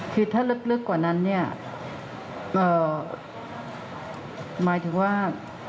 คือถ้าลึกกว่านั้นเนี่ยหมายถึงว่า